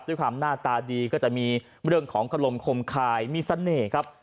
ด้วยความหน้าตาดีก็จะมีเรื่องของขลมคมคายมีเสน่ห์ครับ